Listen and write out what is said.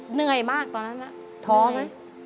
เหนื่อยมากตอนนั้นน่ะเหนื่อยท้องไหม